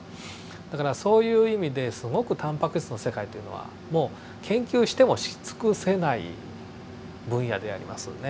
だからそういう意味ですごくタンパク質の世界というのはもう研究してもし尽くせない分野でありますよね。